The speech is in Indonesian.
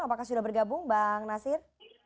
apakah sudah bergabung bang nasir